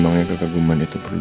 emangnya kekeguman itu perlu